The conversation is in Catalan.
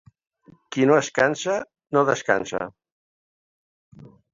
Qui no es cansa, no descansa.